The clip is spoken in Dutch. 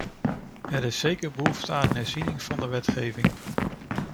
Er is zeker behoefte aan herziening van de wetgeving.